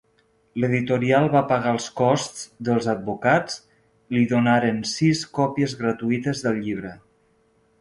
L'editorial va pagar els costs dels advocats i li donaren sis còpies gratuïtes del llibre.